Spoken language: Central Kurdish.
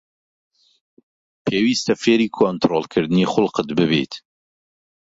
پێویستە فێری کۆنتڕۆڵکردنی خوڵقت ببیت.